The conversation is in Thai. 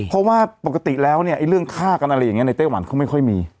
เพราะว่าปกติแล้วเนี่ยไอ้เรื่องฆ่ากันอะไรอย่างนี้ในไต้หวันเขาไม่ค่อยมี